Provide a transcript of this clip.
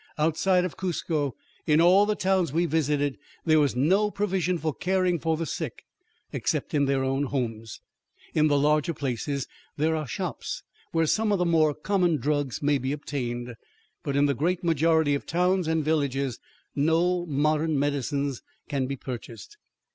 Outside of Cuzco, in all the towns we visited, there was no provision for caring for the sick except in their own homes. In the larger places there are shops where some of the more common drugs may be obtained, but in the great majority of towns and villages no modern medicines can be purchased.